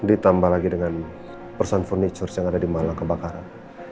ditambah lagi dengan person furnitures yang ada di malang kebakaran